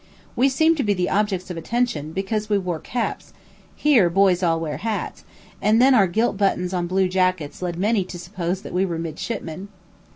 We seemed to be objects of attention, because we wore caps; (here boys all wear hats;) and then our gilt buttons on blue jackets led many to suppose that we were midshipmen.